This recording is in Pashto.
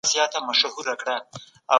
ایا د بوري تولید په هېواد کي کيده؟